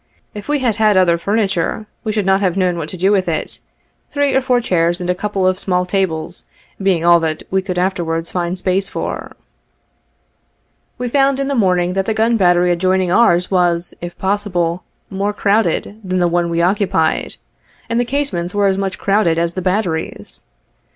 If we had had other furniture, we should not have known what to do with it, three or four chairs and a couple of small tables being all that we could afterwards find space for. We found in the morning that the gun battery adjoining ours was, if possible, more crowded than the one we oc cupied, and the casemates were as much crowded as the batteries.